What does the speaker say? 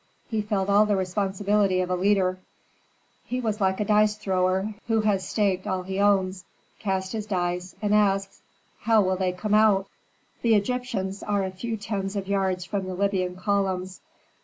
He felt all the responsibility of a leader. He was like a dice thrower who has staked all he owns, cast his dice, and asks, "How will they come out?" The Egyptians are a few tens of yards from the Libyan columns.